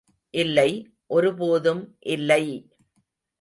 இல்லை, ஒருபோதும் இல்லை!